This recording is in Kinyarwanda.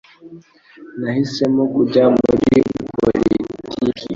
Nahisemo kujya muri politiki